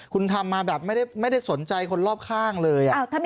คุณทำมาแบบไม่ได้สนใจคนรอบข้างเลย